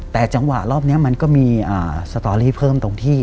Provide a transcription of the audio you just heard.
แต่จังหวะรอบนี้มันก็มีสตอรี่เพิ่มตรงที่